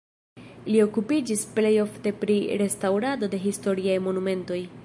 Li okupiĝis plej ofte pri restaŭrado de historiaj monumentoj.